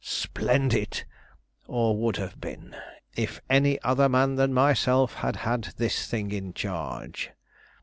Splendid! or would have been, if any other man than myself had had this thing in charge."